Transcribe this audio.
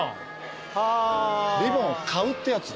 リボン買うってやつ？